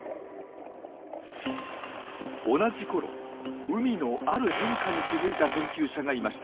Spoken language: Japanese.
同じころ海のある変化に気付いた研究者がいました。